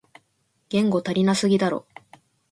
言語足りなすぎだろ